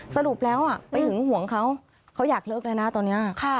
สรุปแล้วไปหึงห่วงเขาเขาอยากเลิกแล้วนะตอนนี้